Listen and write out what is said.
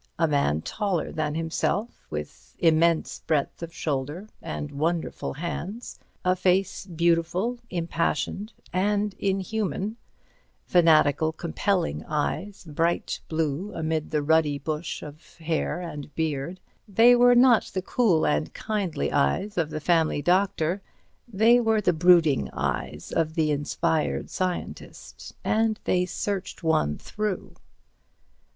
A man taller than himself, with immense breadth of shoulder, and wonderful hands. A face beautiful, impassioned and inhuman; fanatical, compelling eyes, bright blue amid the ruddy bush of hair and beard. They were not the cool and kindly eyes of the family doctor, they were the brooding eyes of the inspired scientist, and they searched one through.